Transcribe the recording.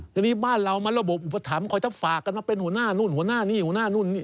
ทีนี้บ้านเรามันระบบอุปถัมภ์คอยถ้าฝากกันมาเป็นหัวหน้านู่นหัวหน้านี่หัวหน้านู่นนี่